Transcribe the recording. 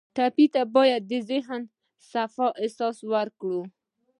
ټپي ته باید د ذهن صفا احساس ورکړو.